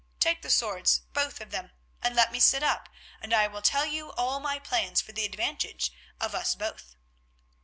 Take the swords, both of them, and let me sit up, and I will tell you all my plans for the advantage of us both.